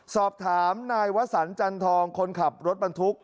สอบถามนายวสันจันทองคนขับรถบรรทุก